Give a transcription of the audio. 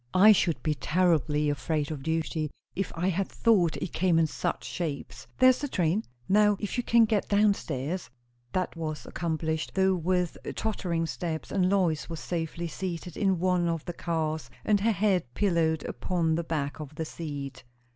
"I should be terribly afraid of duty, if I thought it came in such shapes. There's the train! Now if you can get downstairs " That was accomplished, though with tottering steps, and Lois was safely seated in one of the cars, and her head pillowed upon the back of the seat.